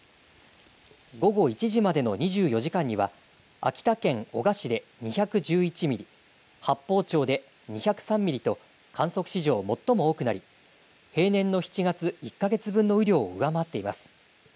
午後１時までの２４時間には秋田県男鹿市で２１１ミリ、八峰町で２０３ミリと観測史上最も多くなり平年の７月１か月分の雨量を上回っています。